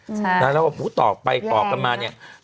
อืระใช่แล้วพูดต่อไปก็ออกกันมาเนี้ยแรง